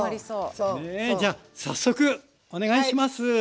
ねえじゃ早速お願いします